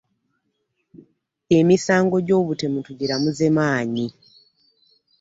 Emisango gy'obutemu tugiramuze maanyi.